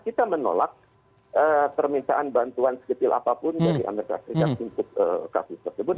kita menolak permintaan bantuan seketil apapun dari amerika serikat untuk kasus tersebut